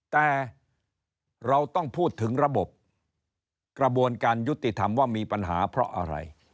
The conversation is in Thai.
แต่เราต้องพูดถึงระบบกระบวนการยุติธรรมว่ามีปัญหาเพราะอะไร